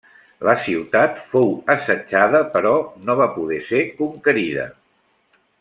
La ciutat fou assetjada però no va poder ser conquerida.